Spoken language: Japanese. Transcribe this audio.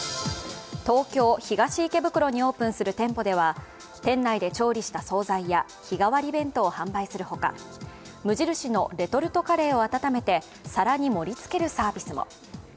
東京・東池袋にオープンする店舗では店内で調理した総菜や日替わり弁当を販売するほか無印のレトルトカレーを温めて皿に盛りつけるサービスも。